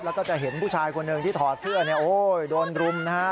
แล้วก็จะเห็นผู้ชายคนหนึ่งที่ถอดเสื้อเนี่ยโอ้ยโดนรุมนะฮะ